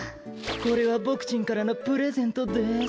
これはボクちんからのプレゼントです。